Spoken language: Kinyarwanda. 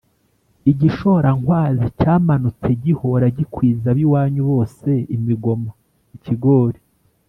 Igishorankwanzi cyamanutse gihora gikwiza ab'iwanyu bose imigoma. Ikigori.